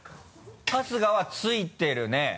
春日はついてるね。